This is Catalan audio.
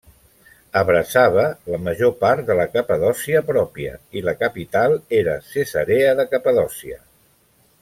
Abraçava la major part de la Capadòcia pròpia i la capital era Cesarea de Capadòcia.